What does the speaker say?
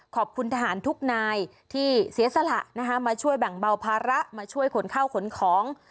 ขอบคุณทหารทุกนายที่เสียสละนะคะมาช่วยแบ่งเบาภาระมาช่วยขนข้าวขนของ